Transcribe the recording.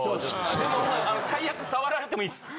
でも最悪触られてもいいっす。